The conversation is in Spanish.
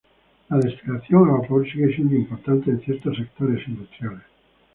La destilación a vapor sigue siendo importante en ciertos sectores industriales.